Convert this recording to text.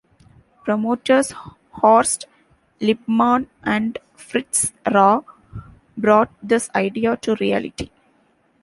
Promoters Horst Lippmann and Fritz Rau brought this idea to reality.